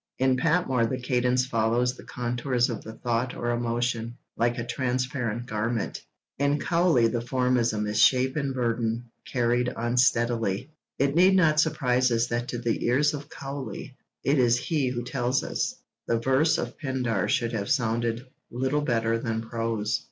In Patmore the cadence follows the contours of the thought or emotion, like a transparent garment; in Cowley the form is a misshapen burden, carried unsteadily. It need not surprise us that to the ears of Cowley (it is he who tells us) the verse of Pindar should have sounded 'little better than prose.'